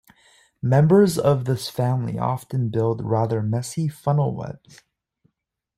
Members of this family often build rather messy funnel-webs.